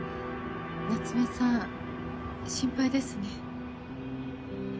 夏目さん心配ですね。